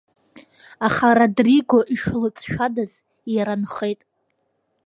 Аха, Родриго, ишлыҵшәадаз иара нхеит.